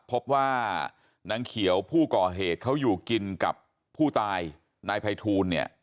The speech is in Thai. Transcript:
พบว่านางเขียวผู้ก่อเหตุเขาอยู่กินกับผู้ตายนายภัยทูลเนี่ย